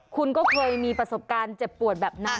คุณก็เคยมีประสบการณ์เจ็บปวดแบบนั้น